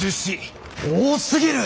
多すぎる！